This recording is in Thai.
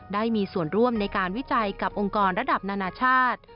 ได้มีส่วนร่วมในการวิจัยกับองค์กรระดับนานาชาติ